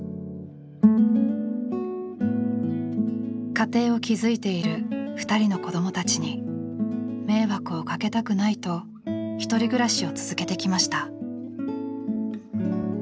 家庭を築いている２人の子どもたちに迷惑をかけたくないとひとり暮らしを続けてきました。